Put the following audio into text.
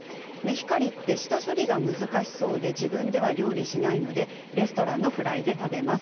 メヒカリって下処理が難しそうで自分では料理しないのでレストランのフライで食べます。